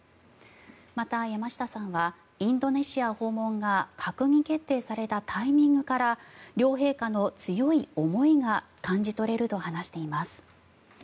また、山下さんはインドネシア訪問が閣議決定されたタイミングから両陛下の強い思いが感じ取れると話しています。